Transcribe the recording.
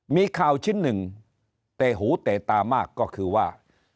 มีข่าวชิ้นหนึ่งเตะหูเตะตามากก็คือว่า